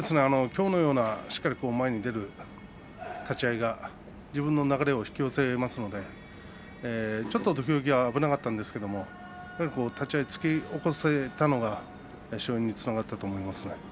きょうのようなしっかり前に出る立ち合いが自分の流れを引き寄せますのでちょっと土俵際危なかったんですけども立ち合い、突き起こせたのが勝因につながったと思いますね。